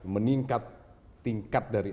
meningkat tingkat dari